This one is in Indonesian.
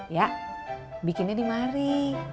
ya bikinnya dimari